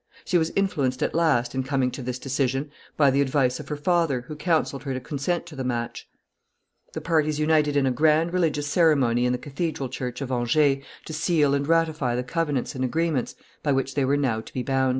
She was influenced at last, in coming to this decision, by the advice of her father, who counseled her to consent to the match. [Sidenote: The match finally agreed upon.] The parties united in a grand religious ceremony in the cathedral church of Angers to seal and ratify the covenants and agreements by which they were now to be bound.